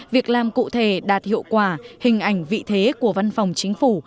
việc làm cụ thể đạt hiệu quả hình ảnh vị thế của văn phòng chính phủ